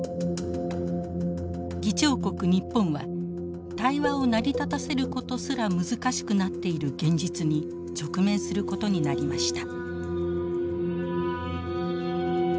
議長国日本は対話を成り立たせることすら難しくなっている現実に直面することになりました。